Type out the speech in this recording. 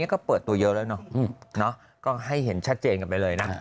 ก็เปิดตัวเยอะแล้วเนอะก็ให้เห็นชัดเจนกันไปเลยนะ